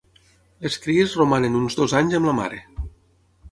Les cries romanen uns dos anys amb la mare.